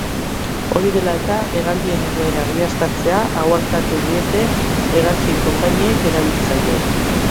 Hori dela eta, hegaldien egoera egiaztatzea aholkatu diete hegazkin konpainiek erabiltzaileei.